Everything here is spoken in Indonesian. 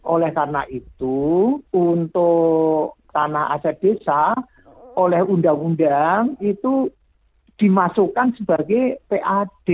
oleh karena itu untuk tanah aset desa oleh undang undang itu dimasukkan sebagai pad